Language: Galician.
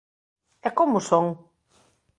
_¿E como son?